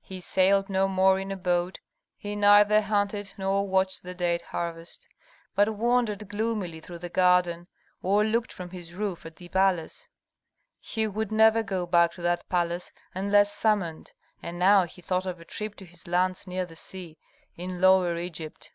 He sailed no more in a boat, he neither hunted nor watched the date harvest, but wandered gloomily through the garden, or looked from his roof at the palace. He would never go back to that palace unless summoned, and now he thought of a trip to his lands near the sea, in Lower Egypt.